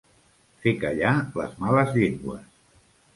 Fer callar les males llengües.